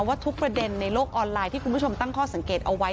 ทุกประเด็นในโลกออนไลน์ที่คุณผู้ชมตั้งข้อสังเกตเอาไว้